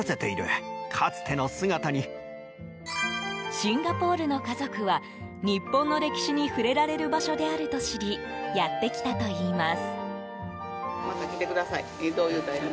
シンガポールの家族は日本の歴史に触れられる場所であると知りやってきたといいます。